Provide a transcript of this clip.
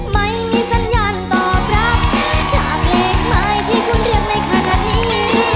ไม่มีสัญญาณตอบรับจากเลขหมายที่คุณเรียกในขณะนี้